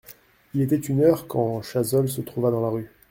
Il était une heure quand Chazolles se trouva dans la rue.